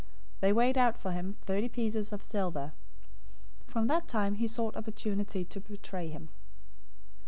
They weighed out for him thirty pieces of silver. 026:016 From that time he sought opportunity to betray him.